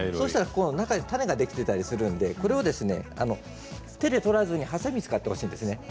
中に種ができていたりするので手で取らずにはさみを使ってほしいんですね。